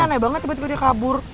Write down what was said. aneh banget tiba tiba dia kabur